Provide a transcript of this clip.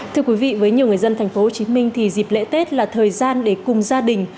thưa quý vị với nhiều người dân tp hcm thì dịp lễ tết là thời gian để cùng gia đình